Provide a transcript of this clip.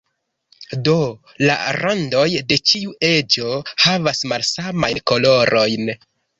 Do la randoj de ĉiu eĝo havas malsamajn kolorojn.